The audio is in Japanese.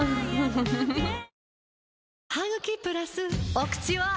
お口は！